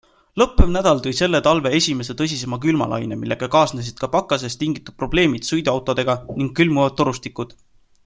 Lõppev nädal tõi selle talve esimese tõsisema külmalaine, millega kaasnesid ka pakasest tingitud probleemid sõiduautodega ning külmuvad torustikud.